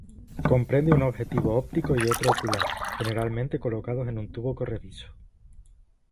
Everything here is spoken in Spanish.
Comprende un objetivo óptico y otro ocular, generalmente colocados en un tubo corredizo.